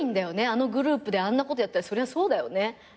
あのグループであんなことやったらそりゃそうだよね。